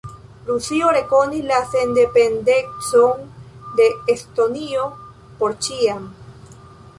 Rusio rekonis la sendependecon de Estonio "por ĉiam".